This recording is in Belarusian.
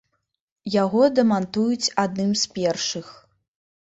Яго дамантуюць адным з першых.